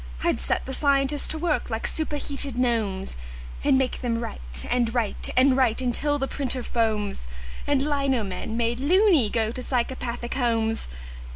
I'd set the scientists to work like superheated gnomes, And make them write and write and write until the printer foams And lino men, made "loony", go to psychopathic homes.